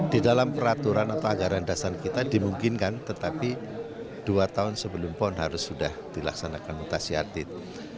di dalam peraturan atau anggaran dasar kita dimungkinkan tetapi dua tahun sebelum pon harus sudah dilaksanakan mutasi atlet